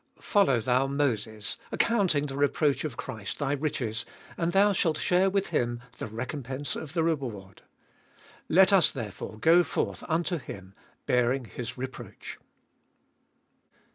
Follow thou Moses, accounting the reproach of Christ thy riches, and thou shalt share with him the recompense of the reward. Let us therefore go forth unto Him, bearing His reproach.